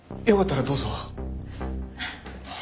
よかったらどうぞ。